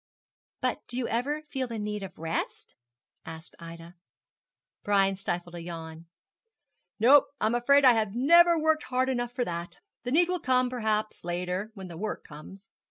'But do you never feel the need of rest?' asked Ida. Brian stifled a yawn. 'No; I'm afraid I have never worked hard enough for that. The need will come, perhaps, later when the work comes.'